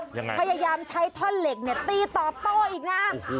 พยายามใช้ท่อนเหล็กตีต่อต้ออีกนะ